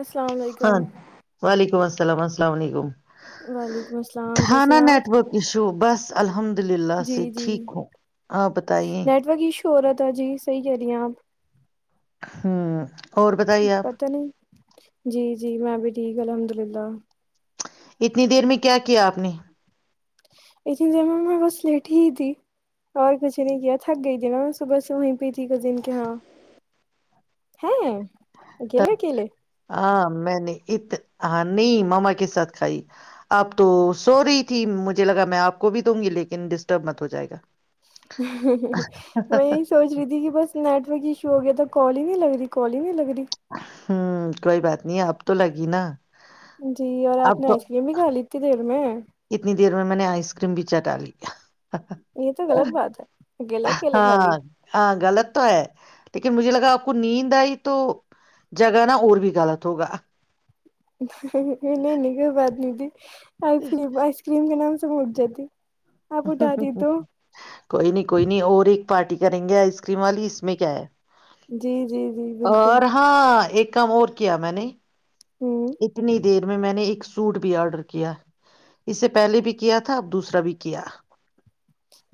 السلام علیکم ہاں وعلیکم السلام ہیلو السلام علیکم وعلیکم السلام کیسے تھانہ ہیں آپ نیٹورک ایشو بس الحمد للہ جی سے جی ٹھیک ہوں آپ بتائیے شہورت ہے جی صحی کہہ رہی ہیں آپ ہوں اور بتائیے پ آپ تو نہیں جی جی میں بھی ٹھیک الحمد للہ اتنی دیر میں کیا کیا آپ نے لیکن د میں بس لیٹ ہی تھی اور کچھ نہیں کیا تھک گئی تھی نا میں صبح سے وہیں پہ تھی ک دن کے یہاں ہاں گیل گل ہاں میں نے ات ہاں نہیں ماما کے ساتھ کھائی آپ تو سور رہی تھی مجھے لگا میں آپ کو بھی دوں گی لیکن ڈسٹرب مت ہو جائے گا میں یہی سوچ رہی تھی کہ بس نیٹک شو گ تو کال نہیں لگتی کال نہیں لگتی جی ہوں کوئی بات نہیں اب تو لگی نا جی اور آپ اب نے تو ایسیے بھی کاال اتنی دیر میں [inaudible] دیر میں نے آئس کریم بھی چٹا لی یہ تو غلط بات ہے اکیلے اکیلے کھا ہاں لی ہاں غلط تو ہے لیکن مجھے لگا آپ کو نیند آئی تو جگانا اور بھی غلط ہوگا نہیں نگو باد نہیںبی آئس کریم آئس کریم کے نام سے مٹ جاتی آپ اٹھا دی تو کوئی نہیں کوئی نہیں اور ایک پارٹی کریں گے آئس کریم والی اس میں کیا ہے جی جی جی بالکل اور ہاں ایک کام اور کیا میں نے ہوں اتنی دیر میں میں نے ایک سوٹ بھی آڈر کیا اسے پہلے بھی کیا تھا اب دوسرا بھی کیا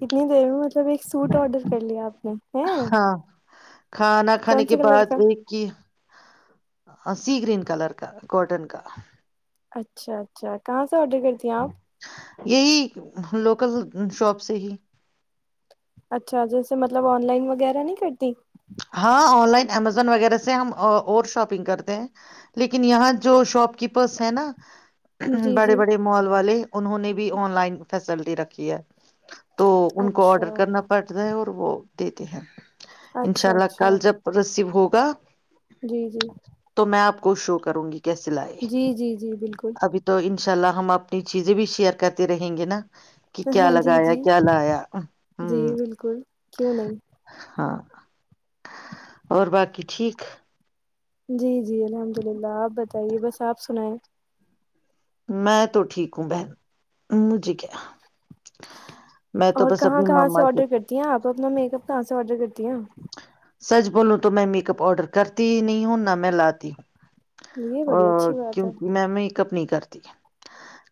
اتنی دیر میں مطلب ایک سوٹ آڈر کر لیا آپ نے ہوں ہاں کھانا کھانے کے بعد ایک ہی سی گرین کلر کا کاٹن کا اچھا اچھا کہاں سے آڈر کرتی ہیں آپ یہی لوکل شاپ سے ہی اچھا جیسے مطلب آن لائن وغیرہ نہیں کرتی ہاں آن لائن امیزون وغیرہ سے ہم اور شاپنگ کرتے ہیں لیکن یہاں جو شاپ کیپرس ہیں نا جی بڑے جی بڑے مال والے انہوں نے بھی آن لائن فیسلٹی رکھی ہے تو ان کو اچھا آڈر کرنا پڑتا ہے اور وہ دیتے ہیں ان شاء اچھا اللہ اچھا کل جب رسیو ہوگ [unintelligible] جی جی میں آپ کو شو کروں گی جی جی جی بالکل انھی تو ان ان شاء اللہ ہم اپنی چیزیں بھی شیئر کرتے رہیں گے نا کہ کیا ہاں جی لگایا جی کیا لایا ہوں جی بالکل کیوں نہیں ہاں اور باقی ٹھیک جی جی الحمد للہ آپ بتائیے بس آپ سنیں میں تو ٹھیک ہوں بہن مجھے کیا میں تو اور بس کہاں اپنی کہاں سے مما آڈر کے کرتی ہیں آپ اپنا میک اپ کہ سے آڈر کرتی ہیں سچ بولوں تو میں میک اپ آڈر کرتی ہی نہیں ہوں نہ میں لاتی ہوں یہ ا بڑی اچھی بات ہے کیونکہ میم ایک نی کرتی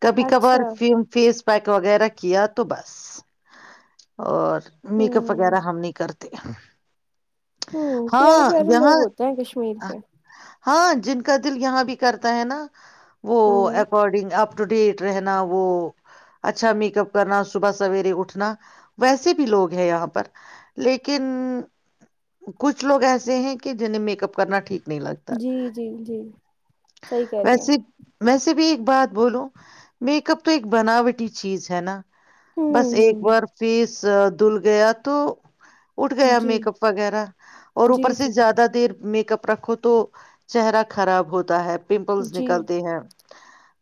کبھی کبھار اچھا فیس پیک وغیرہ کیا تو بس اور میک اپ ہوں وغیرہ ہم نہیں کرتے ہ ہوں پیارے پیارے لوگ ہوتے ہیں کشمیر کے ہاں جن کا دل یہاں بھی کرتا ہے نا وہ ہوں اکارڈنگ آپ ٹو ڈ ایٹ رہنا وہ اچھا میک اپ کرنا صبح سویرے اٹھنا ویسے بھی لوگ ہیں یہاں پر لیکن کچھ لوگ ایسے ہیں کہ جنہیں میک اپ کرنا ٹھیک نہیں لگتا جی جی جی صحیح کہہ رہی ہیں ویسے ویسے بھی بات بولو میک اپ تو ایک بناوٹی چیز ہے نا بس ہوں ہوں ایک بار فیس دھل گیا تو اٹھ گیا جی میک اپ اور اوپر جی سے جی زیادہ دیر میک اپ رکھو تو چہرہ خراب ہوتا ہے پمپلز جی نکلتے ہیں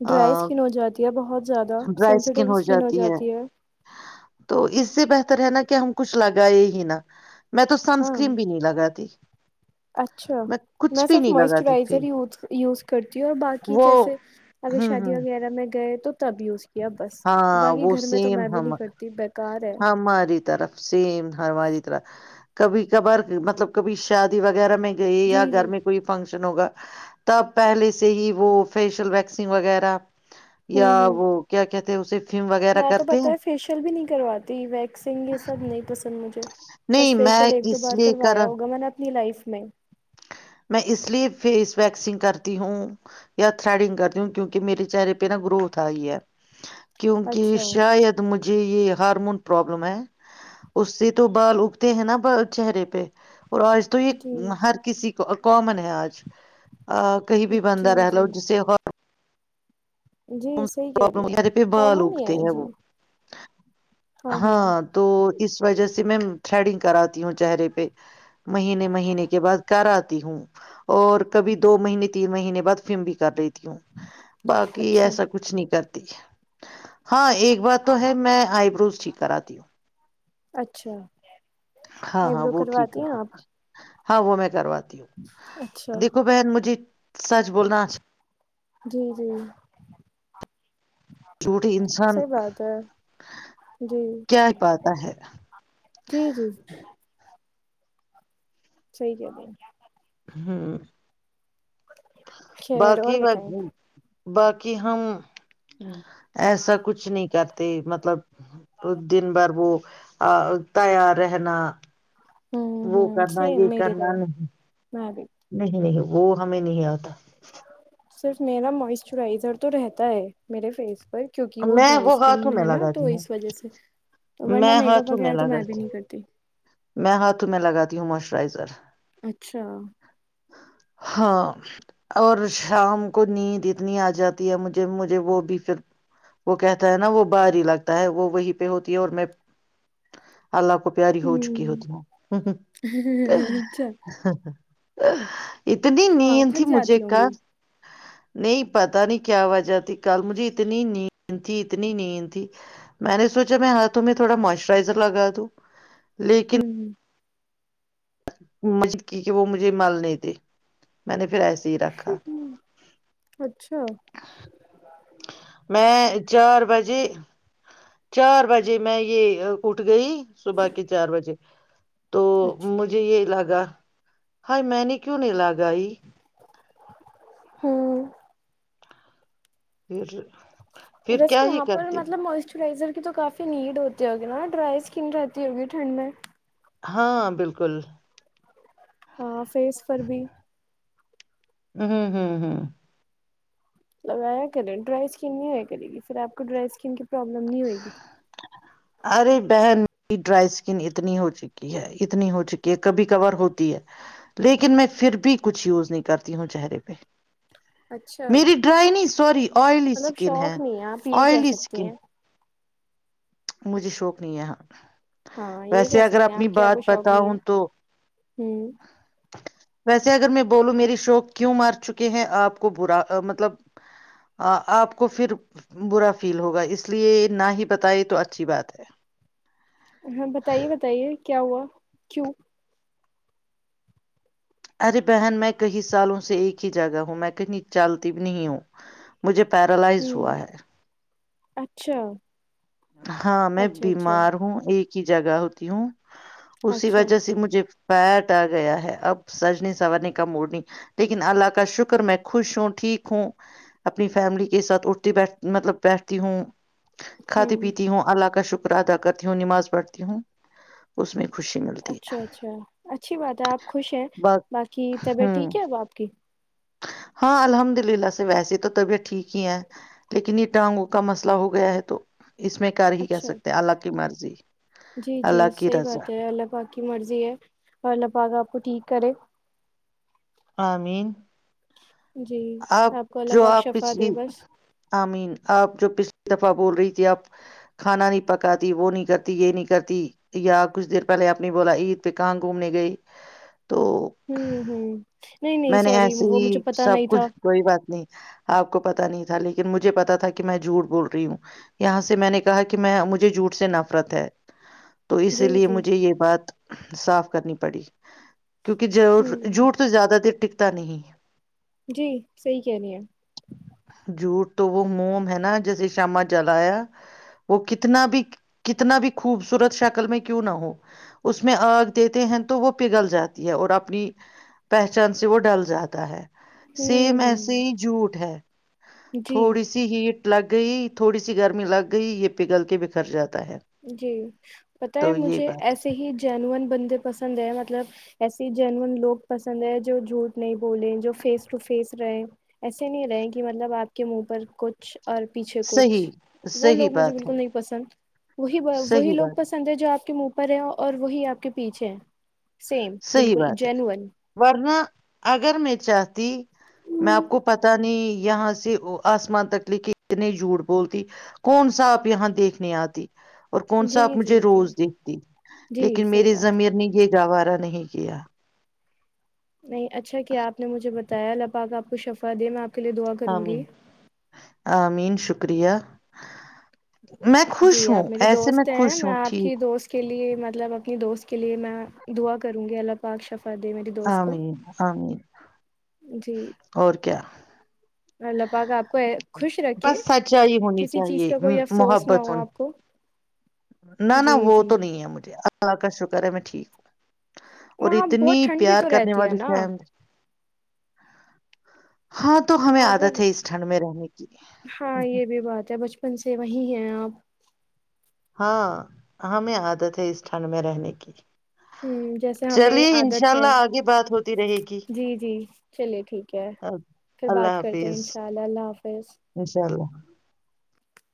ڈرائی اسکن ہو جاتی ہے بہت زیادہ سینسیٹیو اسکن ہو جاتی ہے تو اس سے بہتر ہے نا کہ ہم کچھ لگائے ہی نا میں تو سن ہاں اسکرین بھی نہیں لگاتی اچھا کچھ میں بھی صرف نہیں لگاتی تھی موئسچرائزر ز یوز کرتی ہوں اور باقی وہ جیسے اگر ہوں شادی ہوں وغیرہ میں گئے تو تا بھی اسی بس ہاں باقی وہ گھر میں تو سیم میں بھی ہم نہیں کرتی بےکار ہے ہماری طرف سیم ہر ہماری طرح کبھی کبھار مطلب کبھی شادی وغیرہ میں جیے جی یا جی گھر میں کوئی فنکشن ہوگا تب پہلے سے ہی وہ فیشیل ویکسنگ وغیرہ یا ہوں ہوں وہ کیا کہتے تو اس سے میں تو پتا ہے فیشیل بھی نہیں کرواتی ویکسنگ یہ سب نہیں پسند مجھے بس نہیں میں فیشیل ایک دو اس بار لیے کر کروایا ہوگا میں نے اپنی لائف میں [unintelligible] میں اس لیے فیس ویکسنگ کرتی ہوں یا تھریڈنگ کرتی ہوں کیونکہ میرے چہرے پہ نا گروتھ آئی ہے کیونکہ اچھا شاید مجھ جی یہ ہارمون پرابلم ہے اس سے تو بال اگتے ہیں نا چہرے پہ اور اس تو جی یہ ہر [unintelligible] کامن ہے آج ا کہیں بھی بنتا جی رہ لو جی جسے [unintelligible] جی صحیح کہہ رہی ہیں ے پہ بال کامن ہی اگتے ہے ہیں وہ جی ہاں تو اس وجہ سے میں تھریڈنگ کراتی ہوں چہرے پہ مہینے مہینے کے بعد کرا [unintelligible] ہوں اور کبھی دو مہینے تین مہینے بعد فلم بھی کر رہی تھی باقی ایس [unintelligible] اچھا ایسا کچھ نہیں کرتی [unintelligible] ہاں ایک بات تو ہے میں آئی بروز ٹھیک کراتی ہوں اچھا [unintelligible] ہاں ہاں ہیبرو وہ ٹھیک کرواتی ہیں آپ کراتی ہوں ہاں وہ میں کرات [unintelligible] اچھا دیکھو بہن مجھے سچ بولنا جی جی چھوٹے انسان صحیح بات ہے جی کیا پاتا ہے جی جی [unintelligible] صحی کہ بھائی [unintelligible] ہاں [unintelligible] خیر باقی اور میں بتائیں [unintelligible] باقی ہم ایسا کچھ نہیں کرتے مطلب [unintelligible] تو دن بر وہ [unintelligible] ا تیار رہنا ہوں وہ ہوں کرنا یہ سیم میری کرنا طرح نہیں میں بھی نہیں نہیں وہ ہمیں نہیں آتا صرف میرا موسچرائزر تو رہتا ہے میرے فیس کیوںکہ وہ میں ڈرائی اسکن ہاتھوں میں ہے نا تو لگاتی ہوں اس وجہ سے تو ورنہ میں میک اپ ہاتھوں وغیرہ تو میں بھی لگاتی نہیں کرتی [unintelligible] موسچرائزر [unintelligible] اچھا ہاں اور شام کو نیند اتنی آ جاتی ہے مجھے مجھے وہ بھی پھر وہ کہتا ہے نا وہ باری لگتا ہے وہ وہی پہ ہوتی ہے اور میں اللہ کو پیاری ہو چکی ہوں ہوتی ہے اچھا ہ ا [inaudible] اتنی نی ہاں تھی تھک مجھے جاتی ک ہوں گی نہیں پتا نہیں کیا وجہ تھی کل مجھے اتنی اتنی نیند تھی اتنی نیند تھی میں نے سوچا میں ہاتھوں میں تھوڑا موئسچرائزر لگا دوں لیکن ہوں ہ [unintelligible] مجد کی کہ وہ مجھے مل نہیں تھے میں نے پھر ایسے ہی رکھا ہ اچھا [unintelligible] میں ج [unintelligible] چار بجے چار بجے میں یہ اٹھ گئی صبح کے چار بجے تو اچھا مجھے یہ لگا ہائی میں نے کیوں نہیں لاگائی ہوں [unintelligible] پھر [unintelligible] ویسے کیا ہی وہاں پر کرتی مطلب موسچرائزر تو کافی نیڈ ہوتی ہوگی نا ڈرائی اسکن رہتی ہوگی ٹھنڈ میں ہاں بالکل [unintelligible] ہاں فیس پر بھی ہ ہوں ہوں ہوں [unintelligible] لگایا کرے ڈرائی اسکن نہیں ہویا کرے گی پھر آپ کو ڈرائی اسکن کی پرابلم نہیں ہوئے گی ارے بہنیری ڈرائی اسکن اتنی ہو چکی ہے اتنی ہو چکی ہے کبھی کور ہوتی ہے لیکن میں پھر بھی کچھ یوز نہیں کرتی ہوں چہرے پہ اچھا میری ڈرائینی سوری آئلی مطلب سکن ہے شوق نہیں آپ یہ کہہ آئلی سکتی سکن ہیں مجھے شوق نہیں یہاں [unintelligible] ہاں یہ کہہ سکتے ہیں آپ کے یہ کو شوق نہیں ہے بتاؤں تو ہ ویسے اگر میں بولوں میری شوق کیوں مار چکے ہیں آپ کو برا مطلب آپ کو پھر برا فیل ہوگا اس لیے نہ ہی بتائے تو اچا اچھی بات ہے [unintelligible] ہاں بتائیے بتائیے کیا ہوا کیوں [unintelligible] ارے بہن میں کئی سالوں سے ایک ہی جگہ ہوں میں کہیں چالتی بھی نہیں ہوں مجھے پیرالائز ہوں ہوا ہے [unintelligible] اچھا [unintelligible] ہاں میں اچھا اچھا بیمار ہوں ایک کی جگہ ہوتی ہوں اسی اچھا وجہ سے مجھے پیٹ آ گیا ہے اب سجنے سنارنے کا موڑ نہیں لیکن اللہ کا شکر میں خوش ہوں ٹھیک ہوں اپنی فیملی کے ساتھ اٹھتی بیٹھ مطلب بیٹھتی ہوں کھاتی پیتی ہوں اللہ کا شکر ادا کرتی ہوں نماز پڑھتی ہوں اس میں خوشی ملتی ہے اچھا اچھا اچھی بات ہے آپ خوش ہیں بس باقی طبیعت ہوں ٹھیک ہے اب آپ کی ہاں الحمد للہ سے ویسی تو طبیعت ٹھیک ہی ہے لیکن اٹانگوں کا مسئلہ ہو گیا ہے تو اس میں کر ہی کہہ اچھا سکتے ہیں اللہ کی مرضی جی جی اللہ کی صحیح رضا بات ہے اللہ پاک کی مرضی ہے اور اللہ پاک آپ کو ٹھیک کرے آمین جی آپ کو اللہ جو پاک آپ شفا پچھلی دے بس آئی مین آپ جو پچھلی دفعہ بول رہی تھی اب کھانا نہیں پکاتی وہ نہیں کرتی یہ نہیں کرتی یا کچھ دیر پہلے آپ نے بولا عید پہ کہاں گھومنے گئے ہوں ہوں نہیں نہیں میں نے سوری ایسے وہ ہی مجھے پتہ سب نہیں کچھ تھا کوئی بات نہیں آپ کو پتا نہیں تھا لیکن مجھے پتا تھا کہ میں جھوٹ بول رہی ہوں یہاں سے میں نے کہا کہ میں مجھے جھوٹ سے نفرت ہے تو جی اسی لیے جی مجھے یہ بات صاف کرنی پڑی کیونکہ ہوں جھوٹ تو زیادہ دیر ٹکتا نہیں جی صحیح کہہ رہی ہیں جھوٹ تو وہ موم ہے نا جیسے شامہ جلایا وہ کتنا بھی کتنا بھی خوبصورت شکل میں کیوں نہ ہو اس میں آگ دیتے ہیں تو وہ پگھل جاتی ہے اور اپنی پہچان سے وہ ڈل جاتا ہے سیم ہوں ایسے ہوں ہی جھوٹ ہے جی تھوڑی سی ہیڈ لگ گئی تھوڑی سی گرمی لگ گئی یہ پگل کے بکھر جاتی جی پتا ہے مجھے بات ایسے ہی جینون بندے پسند ہے مطلب ایسسی جنن لوگ پسند ہے جو جھوٹ نہیں بولیں جو فیس ٹو فیس رہے ایسے نہیں رہے کہ مطلب آپ کے منہ پر کچھ اور پیچھے کچھ صحیح وہ صحیح لوگ مجھے بات ہے بالکل نہیں پسند وہی وہی صحیح لوگ بات پسند ہے جو آپ کے منہ پر ہے اور وہی آپ کے پیچھے ہے صحی بات ہے ورنہ اگر میں چاہتی میں آپ کو پتا نہیں یہاں سے آسمان تک لے کے اتنے جھوٹ بولتی کون سا آپ یہاں دیکھنے آتی اور کون سا جی آپ مجھے جی جی روز دیکھتی جی لیکن صحیح میری بات ہے زمیر نے یہ گوارہ ہے [unintelligible] نہیں کیا نہیں اچھا کیا آپ نے مجھے بتایا الپااکا آپ کو شفا دے میں آپ کے لیے دعا کروں گی ا مین شکریہ میں جی خوش ہوں آپ میری ایسے دوست ہیں خوش میں ہوں آپ کی ٹھیک دوست کے لیے مطلب اپنی دوست کے لیے میں دعا کروں گے اللہ پاک شف امین امین جی اور کیا اللہ پاکا آپ کو خوش رکھے بس سچائی ہونی کسی چیز چاہیے کا کوئی افسوس نہ محبت ہو ہونی آپ کو جی جی اللا کا شکر ہے میں ٹھیک ہو اور وہاں اتنی بہت ٹھنڈ بھی پیار تو کرنے رہتی ہے والی نا فہم تو ہمیں وہاں پر عادت ہے اس ٹھنڈ میں رہنے کی ہاں یہ بھی بات ہے بچپن سے وہیں ہیں آپ ہاں ہمیں عادت ہے اس ٹھنڈ میں رہنے کی ہوں جیسے ہمیں چلیے انشاء عادت ہے اللہ آگے بات ہوتی رہے گی جی جی چلیے ٹھیک ہے پھر اللہ بات کرتے ہیں حافظ انشاء اللہ اللہ حافظ انشاء اللہ